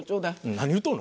何言うとんの？